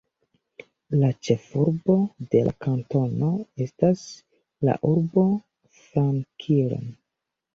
La ĉefurbo de la kantono estas la urbo Franklin.